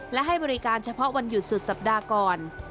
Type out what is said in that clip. และให้บริการเฉพาะวันหยุดสุดสัปดาห์ก่อน